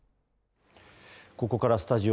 ここからスタジオ